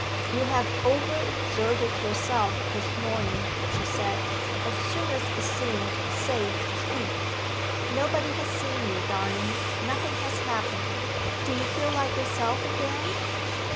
"You have overexerted yourself this morning," she said, as soon as it seemed safe to speak. "Nobody has seen you, darling nothing has happened. Do you feel like yourself again?"